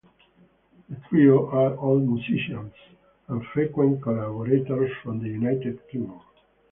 The trio are all musicians and frequent collaborators from the United Kingdom.